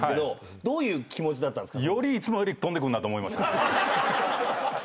どういう気持ちだったんですか？